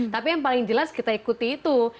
tapi yang paling jelas kita ikuti itu